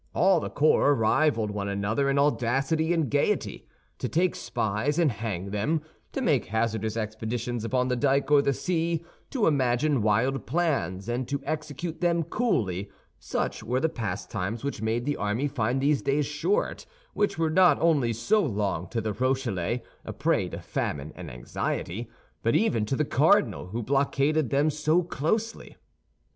All the corps rivaled one another in audacity and gaiety. To take spies and hang them, to make hazardous expeditions upon the dyke or the sea, to imagine wild plans, and to execute them coolly—such were the pastimes which made the army find these days short which were not only so long to the Rochellais, a prey to famine and anxiety, but even to the cardinal, who blockaded them so closely.